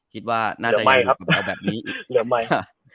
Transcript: คิดว่าน่าจะยังอยู่กับเราแบบนี้อีก